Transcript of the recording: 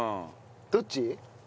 どっち？